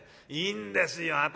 いいんですよ